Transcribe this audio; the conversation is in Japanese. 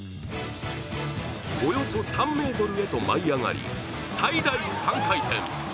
およそ３ｍへと舞い上がり、最大３回転。